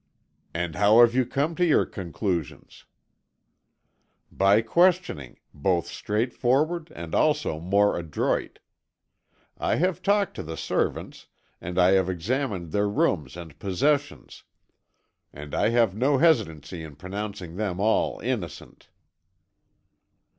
"And how have you come to your conclusions?" "By questioning, both straightforward and also more adroit. I have talked to the servants, and I have examined their rooms and possessions, and I have no hesitancy in pronouncing them all innocent."